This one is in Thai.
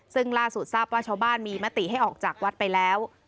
ซึ่งล่าสุดทราบว่าชาวบ้านมีมติให้ออกจากวัดไปแล้ว